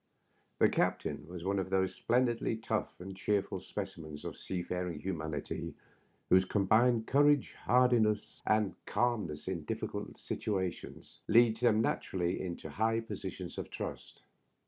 The captain was one of those splendidly tough and cheerful specimens of seafaring humanity whose com bined courage, hardihood, and calmness in diflSculty leads them naturally into high positions of trust.